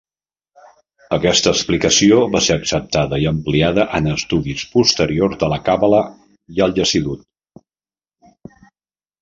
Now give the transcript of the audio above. Aquesta explicació va ser acceptada i ampliada en estudis posteriors de la Càbala i el Jasidut.